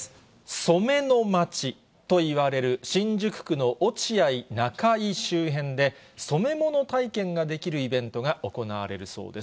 染めの街といわれる新宿区の落合、中井周辺で、染め物体験ができるイベントが行われるそうです。